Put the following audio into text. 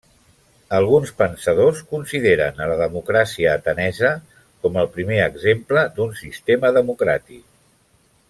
Alguns pensadors consideren a la democràcia atenesa com el primer exemple d'un sistema democràtic.